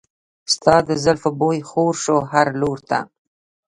د ستا د زلفو بوی خور شو هر لور ته.